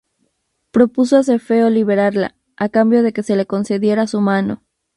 Propuso a Cefeo liberarla, a cambio de que se le concediera su mano.